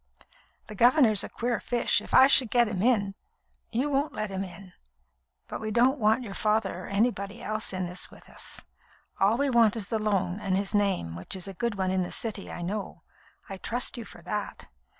"The governor's a queer fish. If I should let him in " "You won't let him in. But we don't want your father or anybody else in with us. All we want is the loan, and his name, which is a good one in the City, I know. I trust you for that.